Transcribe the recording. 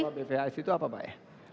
kua pphs itu apa pak ya